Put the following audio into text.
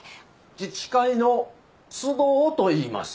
自治会の須藤といいます。